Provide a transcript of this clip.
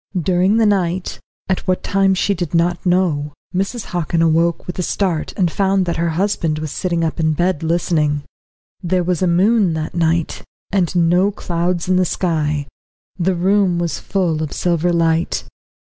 During the night, at what time she did not know, Mrs. Hockin awoke with a start, and found that her husband was sitting up in bed listening. There was a moon that night, and no clouds in the sky. The room was full of silver light.